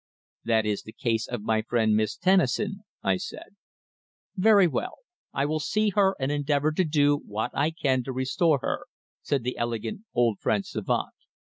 "That is the case of my friend Miss Tennison," I said. "Very well. I will see her and endeavour to do what I can to restore her," said the elegant old French savant.